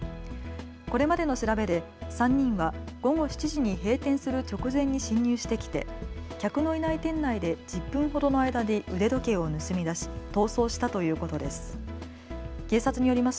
これまでの調べで３人は午後７時に閉店する直前に侵入してきて、客のいない店内で１０分ほどの間に腕時計を盗み出し逃走したということです。